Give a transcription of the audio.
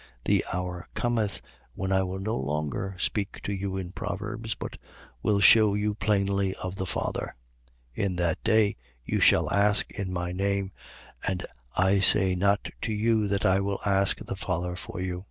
The hour cometh when I will no longer speak to you in proverbs, but will shew you plainly of the Father. 16:26. In that day, you shall ask in my name: and I say not to you that I will ask the Father for you. 16:27.